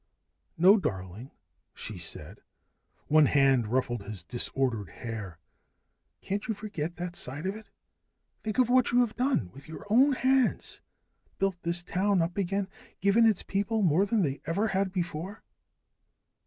"No, darling," she said. One hand ruffled his disordered hair. "Can't you forget that side of it? Think of what you have done, with your own hands built this town up again, given its people more than they ever had before."